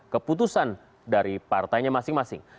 keputusan dari partainya masing masing